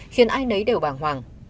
khiến ai nấy đều bảng hoàng